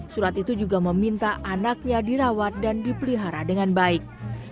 surat itu juga meminta anaknya dirawat dan dipelihara dengan baik